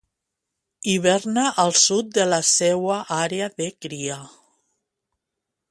Hiverna al sud de la seua àrea de cria.